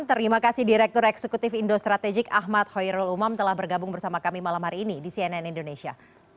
terima kasih direktur eksekutif indo strategik ahmad hoyrul umam telah bergabung bersama kami malam hari ini di cnn indonesia